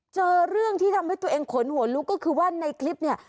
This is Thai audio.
เจอเรื่องที่ทำให้ตัวเองขนหัวลุกก็คือว่าในคลิปเนี่ย